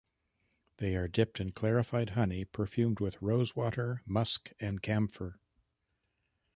They are dipped in clarified honey perfumed with rose water, musk and camphor.